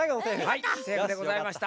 はいセーフでございました。